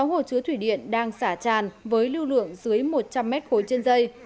sáu hồ chứa thủy điện đang xả tràn với lưu lượng dưới một trăm linh mét khối trên dây